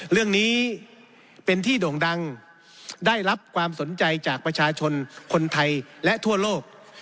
เรื่องนี้เป็นที่โด่งดังได้รับความสนใจจากประชาชนคนไทยและทั่วโลก